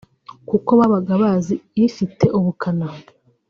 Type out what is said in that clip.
kuko babaga bazi ifite ubukana